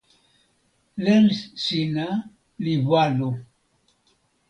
len sina li walo.